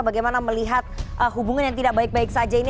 bagaimana melihat hubungan yang tidak baik baik saja ini